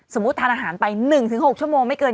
ทานอาหารไป๑๖ชั่วโมงไม่เกิน